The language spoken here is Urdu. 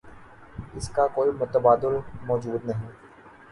اس کا کوئی متبادل موجود نہیں۔